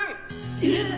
えっ！